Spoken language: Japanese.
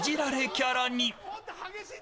キャラに。